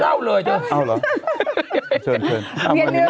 ลียนเดินนะลียนเลี้ยง